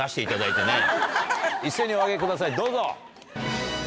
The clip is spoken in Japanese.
一斉にお上げくださいどうぞ。